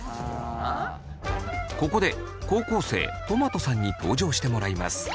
ここで高校生とまとさんに登場してもらいます。